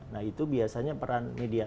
nah itu biasanya peran media